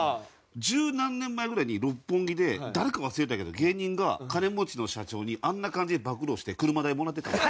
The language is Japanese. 十何年前ぐらいに六本木で誰か忘れたけど芸人が金持ちの社長にあんな感じで暴露をして車代もらってたわ。